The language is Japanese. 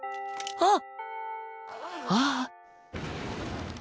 あっ。